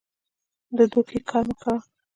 د دوکې کار مه کوه.